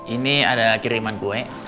ini ada kiriman gue